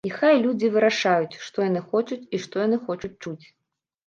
І хай людзі вырашаюць, што яны хочуць, і што яны хочуць чуць.